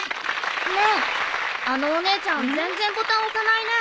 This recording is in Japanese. ねえあのお姉ちゃん全然ボタン押さないねえ。